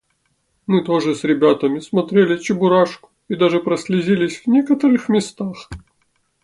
Мы тоже с ребятами смотрели "Чебурашку" и даже прослезились в некоторых местах.